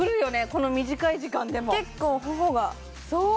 この短い時間でも結構頬がそう！